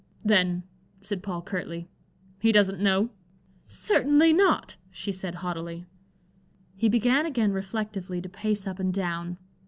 "Then," said Paul, curtly, "he doesn't know?" "Certainly not," she said, haughtily. He began again reflectively to pace up and down.